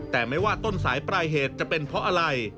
แต่ไม่ว่าต้นสายปลายเหตุจะเป็นเพราะอะไร